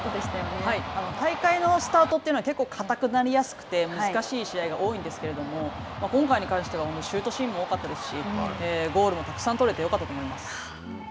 大会のスタートというのは結構かたくなりやすくて、難しい試合が多いんですけれども今回に関しては、シュートシーンも多かったですし、ゴールもたくさん取れて、よかったと思います。